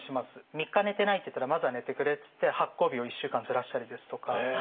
３日寝てないって言ったらまずは寝てくれって言って発行日を１週間ずらしたりですとか。